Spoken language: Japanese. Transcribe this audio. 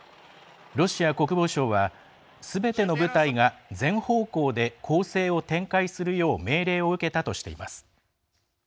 ロシア国防省は、すべての部隊が全方向で攻勢を展開するよう命令を受けたとしています。